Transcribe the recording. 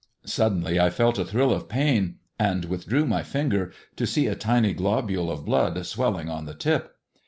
Suddenly I felt a thrill of pain, and withdrew my finger to see a tiny globule of blood swelling on the tip.